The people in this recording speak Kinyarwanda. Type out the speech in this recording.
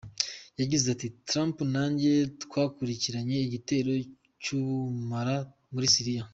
Yagize ati “Trump nanjye twakurikiranye igitero cy’ubumara muri Syria.